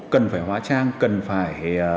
cần phải hóa trang cần phải